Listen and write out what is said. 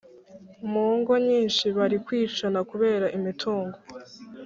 Mungo nyinshi bari kwicana kubera imitungo